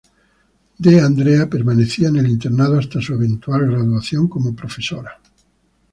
D'Andrea permanecería en el internado hasta su eventual graduación como profesora.